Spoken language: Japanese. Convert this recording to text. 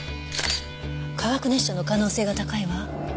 化学熱傷の可能性が高いわ。